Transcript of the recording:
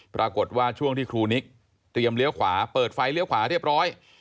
ปรากฏว่าช่วงที่ครูนิกเตรียมเลี้ยวขวาเปิดไฟเลี้ยวขวาเรียบร้อย